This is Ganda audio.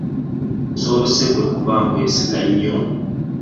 Nsoose ggwe kuba nkwesiga nnyo.